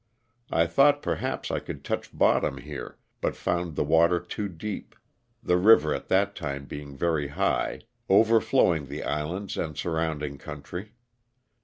I thought perhaps I could touch bottom here, but found the water too deep, the river at that time being very high, overflowing the islands and surrounding country.